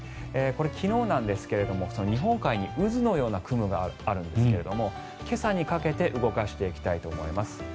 これ、昨日なんですが日本海に渦のような雲があるんですけども今朝にかけて動かしていきたいと思います。